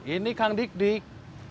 ini kang dik dik